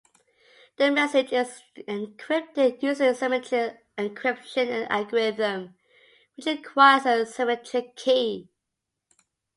The message is encrypted using a symmetric encryption algorithm, which requires a symmetric key.